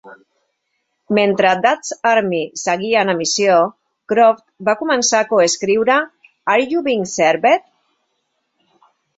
Mentre "Dad's Army" seguia en emissió, Croft va començar a coescriure "Are you Being Served"?